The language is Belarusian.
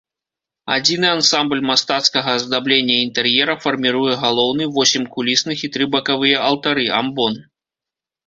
Адзіны ансамбль мастацкага аздаблення інтэр'ера фарміруе галоўны, восем кулісных і тры бакавыя алтары, амбон.